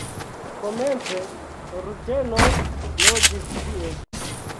Komence rutenoj loĝis tie.